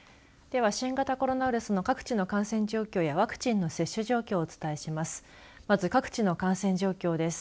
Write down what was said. では新型コロナウイルスの各地の感染状況やワクチンの接種状況をお伝えします。